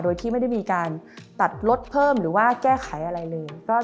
โดยที่ไม่ได้มีการตัดลดเพิ่มหรือว่าแก้ไขอะไรเลย